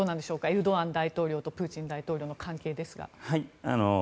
エルドアン大統領とプーチン大統領の関係ですが。